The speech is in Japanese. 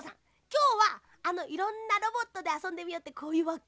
きょうはあのいろんなロボットであそんでみようってこういうわけ？